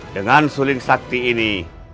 dengan suling sakti ini